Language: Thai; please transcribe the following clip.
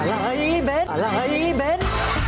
อะไรเป็น